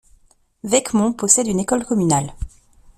Vecmont possède une école communale.